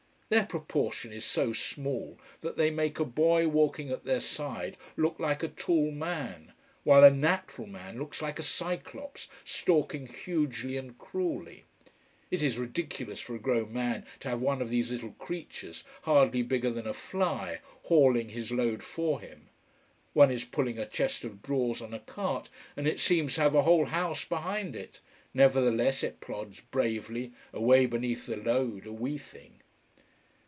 Their proportion is so small, that they make a boy walking at their side look like a tall man, while a natural man looks like a Cyclops stalking hugely and cruelly. It is ridiculous for a grown man to have one of these little creatures, hardly bigger than a fly, hauling his load for him. One is pulling a chest of drawers on a cart, and it seems to have a whole house behind it. Nevertheless it plods bravely, away beneath the load, a wee thing.